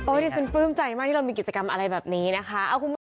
ดิฉันปลื้มใจมากที่เรามีกิจกรรมอะไรแบบนี้นะคะ